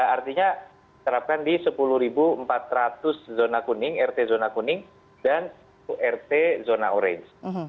artinya diterapkan di sepuluh empat ratus rt zona kuning dan rt zona orange